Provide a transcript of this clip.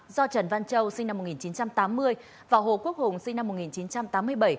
do trần văn châu sinh năm một nghìn chín trăm tám mươi và hồ quốc hùng sinh năm một nghìn chín trăm tám mươi bảy